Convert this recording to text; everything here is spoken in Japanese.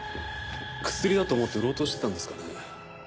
薬だと思って売ろうとしてたんですかね。